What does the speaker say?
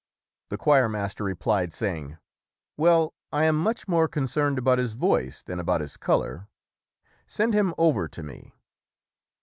The choirmaster replied, saying, "Well, I am much more concerned about his voice than about his color; send him over to see me".